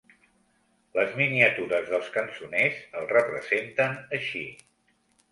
Les miniatures dels cançoners el representen així.